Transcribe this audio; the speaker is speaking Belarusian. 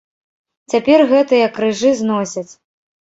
Цяпер гэтыя крыжы зносяць.